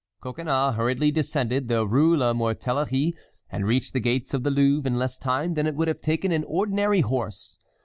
Coconnas hurriedly descended the Rue La Mortellerie, and reached the gates of the Louvre in less time than it would have taken an ordinary horse.